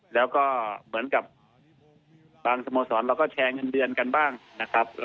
แล้วก็เหมือนกับบางสโมสรเราก็แชร์เงินเดือนกันบ้างนะครับ